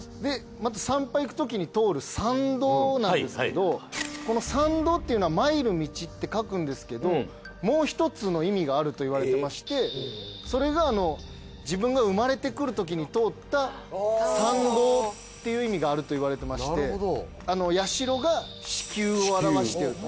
また参拝行くときに通る参道なんですけどこの参道っていうのは「参る道」って書くんですけどもう一つの意味があるといわれてましてそれが自分が生まれてくるときに通った産道っていう意味があるといわれてまして社が子宮を表してると。